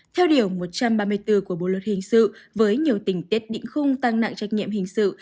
theo điều một trăm ba mươi bốn của bộ luật hình sự với nhiều tình tiết định khung tăng nặng trách nhiệm hình sự